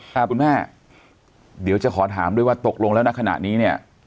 คุณแม่เดี๋ยวจะขอถามด้วยว่าตกลงแล้วณขณะนี้เนี่ย